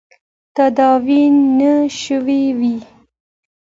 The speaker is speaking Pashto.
تدوین نه شوي وو.